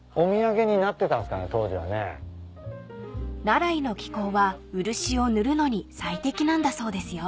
［奈良井の気候は漆を塗るのに最適なんだそうですよ］